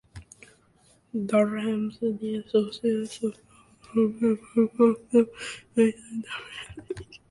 Durham City Association Football Club is a football club based in Durham, England.